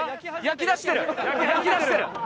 焼きだしてる。